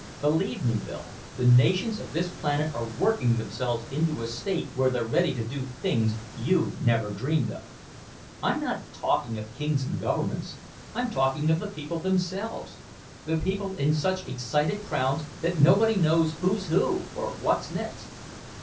Believe me, Bill, the nations of this planet are working themselves into a state where they're ready to do things you never dreamed of. I'm not talking of kings and governments, I'm talking of the people themselves, the people in such excited crowds that nobody knows who's who or what's next.